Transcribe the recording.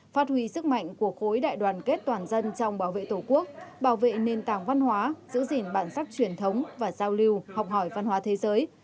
phát huy sức mạnh của khối đại đoàn kết toàn dân trong bảo vệ tổ quốc bảo vệ nền tảng văn hóa giữ gìn bản sắc truyền thống và giao lưu học hỏi văn hóa thế giới